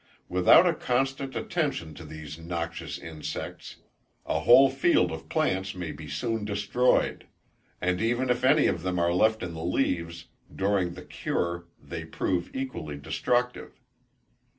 Without a constant attention to these noxious insects, a whole field of plants may be soon destroyed; and even if any of them are left in the leaves, during the cure, they prove equally destructive.